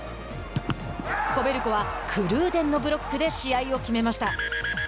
コベルコはクルーデンのブロックで試合を決めました。